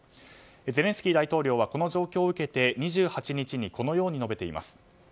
ゼレンスキー大統領はこの状況を受けて２８日にこのように述べています。